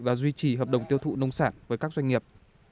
và duy trì hợp đồng tiêu thụ nông sản với các doanh nghiệp